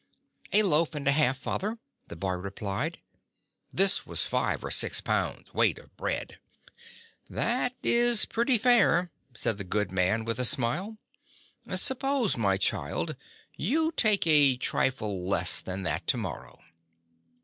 "A loaf and a half. Father," the boy replied. This was five or six pounds weight of bread. 'That is pretty fair," said the good man with a smile; "suppose, my child, you take a trifle less than that to morrow."